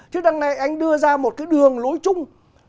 chứ đằng này anh đưa ra một cái đường lối chung